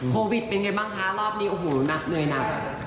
โควิดเป็นไงบ้างคะรอบนี้โอ้โหหนักเหนื่อยหนัก